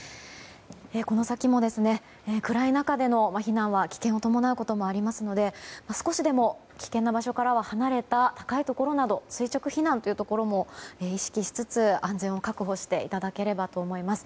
この先も暗い中での避難は危険を伴うこともありますので少しでも危険な場所から離れた高いところなど垂直避難を意識しつつ安全を確保していただければと思います。